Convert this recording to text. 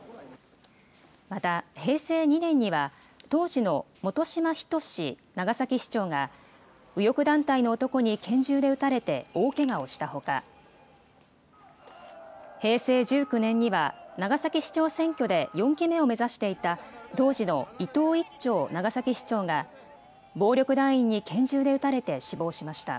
また、平成２年には、当時の本島等長崎市長が、右翼団体の男に拳銃で撃たれて大けがをしたほか、平成１９年には、長崎市長選挙で４期目を目指していた当時の伊藤一長長崎市長が、暴力団員に拳銃で撃たれて死亡しました。